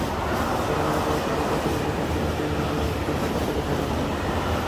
যাঁরা মনে করছেন, মধ্যবর্তী নির্বাচন পর্যন্ত অভিবাসীরা অপেক্ষা করবেন, তাঁদের ধারণা ভুল।